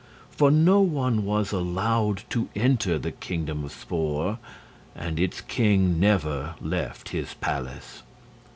For no one was allowed to enter the Kingdom of Spor, and its king never left his palace.